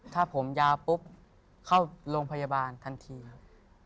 ถ้าผมยาวปุ๊บเข้าโรงพยาบาลทันทีครับ